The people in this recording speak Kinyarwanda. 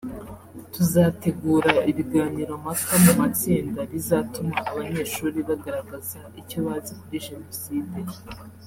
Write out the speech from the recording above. tuzategura ibiganiro mpaka mu matsinda bizatuma abanyeshuri bagaragaza icyo bazi kuri Jenoside